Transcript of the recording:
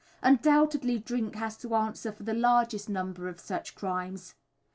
Undoubtedly drink has to answer for the largest number of such crimes.